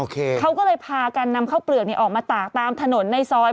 เขาก็เลยพากันนำข้าวเปลือกออกมาตากตามถนนในซอย